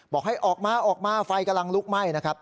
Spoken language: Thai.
บอกให้ออกมาออกมาไฟกำลังลุกไหม้นะครับ